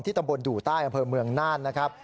ตำบลดู่ใต้อำเภอเมืองน่านนะครับ